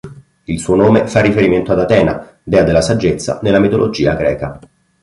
Il suo nome fa riferimento ad Atena, dea della saggezza nella mitologia greca.